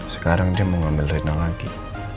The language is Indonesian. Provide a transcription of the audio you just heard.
sekarang dia mau ngambil rina lagi